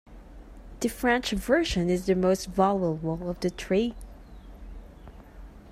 The French version is the most valuable of the three.